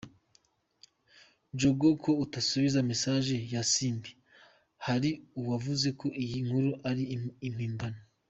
Gogo ko utasubije message ya Simbi?hari uwavuze ko iyi nkuru ari impimbano.